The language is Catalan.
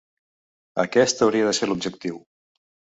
Aquest hauria de ser l’objectiu.